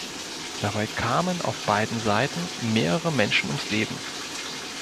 Dabei kamen auf beiden Seiten mehrere Menschen ums Leben.